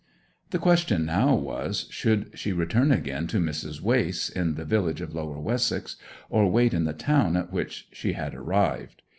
The question now was, should she return again to Mrs. Wace, in the village of Lower Wessex, or wait in the town at which she had arrived.